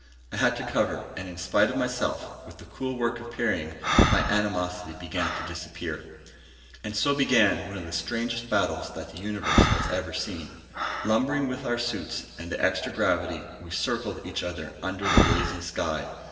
I had to cover, and in spite of myself, with the cool work of parrying, my animosity began to disappear. And so began one of the strangest battles that the Universe has seen. Lumbering with our suits and the extra gravity, we circled each other under the blazing sky.